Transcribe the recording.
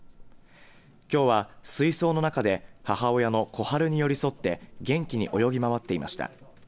きょうは水槽の中で母親のコハルに寄り添って元気に泳ぎ回っていました。